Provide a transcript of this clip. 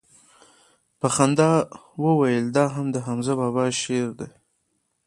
په خندا يې وويل دا هم دحمزه بابا شعر دىه.